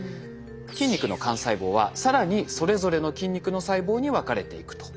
筋肉の幹細胞は更にそれぞれの筋肉の細胞に分かれていくと。